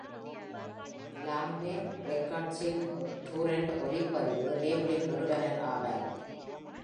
Longman ரெக்கார்ட்ஸின் Durant ஒலி பதிவு லேபிளின் நிறுவனர் ஆவார்.